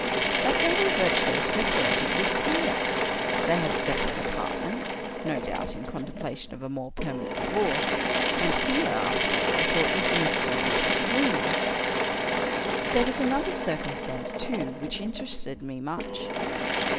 That they were virtually separated was clear. They had separate apartments — no doubt in contem plation of a more permanent divorce; and here, after all, I thought was the mystery of the extra stateroom. There was another circumstance, too, which interested me much.